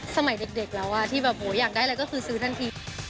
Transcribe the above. สมัยเด็กแล้วที่แบบอยากได้อะไรก็คือซื้อทันที